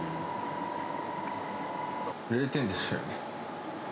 ０点ですよね。